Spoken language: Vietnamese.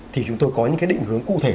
thì chúng tôi có những cái định hướng cụ thể